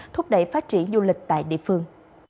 thúc đẩy phát triển du lịch tại việt nam